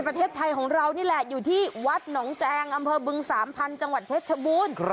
ประเทศไทยของเรานี่แหละอยู่ที่วัดหนองแจงอำเภอบึงสามพันธุ์จังหวัดเพชรชบูรณ์